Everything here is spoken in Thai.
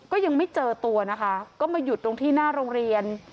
ก็ยังไม่เจอตัวนะคะก็มาหยุดตรงที่หน้าโรงเรียน